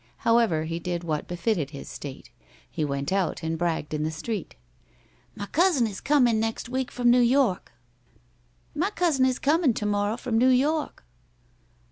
However, he did what befitted his state. He went out and bragged in the street: "My cousin is comin' next week f'om New York." ..."My cousin is comin' to morrow f'om New York."